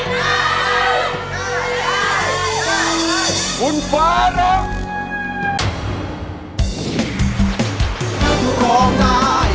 เฮ้ยไงไงไงไง